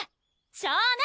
少年！